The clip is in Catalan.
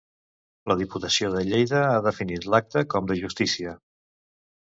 La Diputació de Lleida ha definit l'acte com "de justícia".